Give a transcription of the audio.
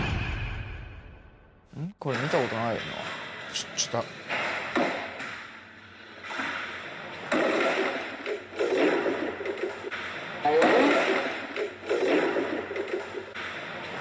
これ、見たことないな。